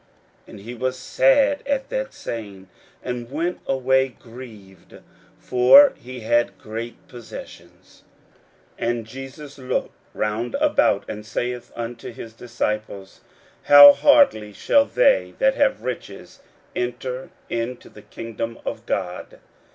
41:010:022 And he was sad at that saying, and went away grieved: for he had great possessions. 41:010:023 And Jesus looked round about, and saith unto his disciples, How hardly shall they that have riches enter into the kingdom of God!